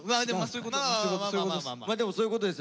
まあでもそういうことです。